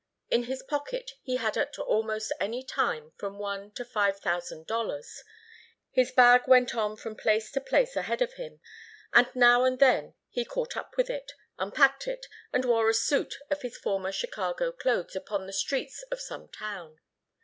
In his pocket he had at almost any time from one to five thousand dollars, his bag went on from place to place ahead of him, and now and then he caught up with it, unpacked it, and wore a suit of his former Chicago clothes upon the streets of some town.